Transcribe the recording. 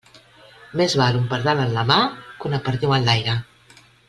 Més val un pardal en la mà que una perdiu en l'aire.